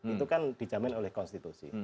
itu kan dijamin oleh konstitusi